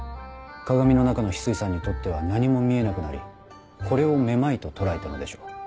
鏡の中の翡翠さんにとっては何も見えなくなりこれを目眩と捉えたのでしょう。